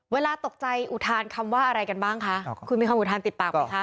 เวลาตกใจอุทานคำว่าอะไรกันบ้างคะคุณมีความอุทานติดปากไหมคะ